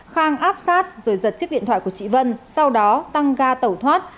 khang áp sát rồi giật chiếc điện thoại của chị vân sau đó tăng ga tẩu thoát